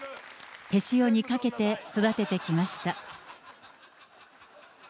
手塩にかけて育ててきました。